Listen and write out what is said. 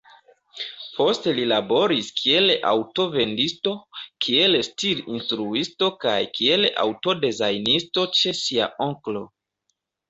Poste li laboris kiel aŭto-vendisto, kiel stir-instruisto kaj kiel aŭto-dezajnisto ĉe sia onklo.